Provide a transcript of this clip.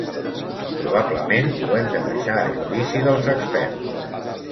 Probablement ho hem de deixar a judici dels experts.